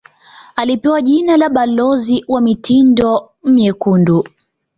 Alipewa jina la balozi wa mitindo myekundu